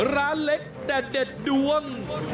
ร้านเล็กแต่๗ดวง